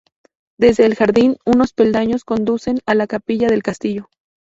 Desde el jardín, unos peldaños conducen a la capilla del castillo.